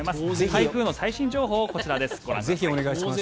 台風の最新情報、こちらです。